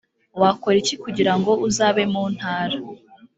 wakora iki kugira ngo uzabe muntara